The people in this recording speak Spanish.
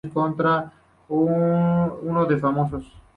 En el concurso se enfrenta un equipo de famosos varones contra uno de famosas.